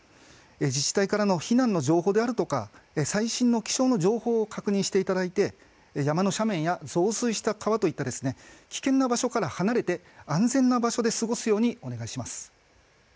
自治体からの避難の情報であるとか最新の気象の情報を確認していただいて山の斜面や増水した川といった危険な場所から離れて安全な場所で過ごすようにお願いします。